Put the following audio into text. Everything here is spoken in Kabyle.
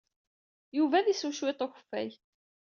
Yuba ad isew cwiṭ n ukeffay.